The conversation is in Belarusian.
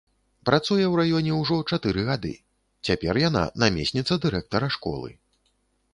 Працуе ў раёне ўжо чатыры гады, цяпер яна намесніца дырэктара школы!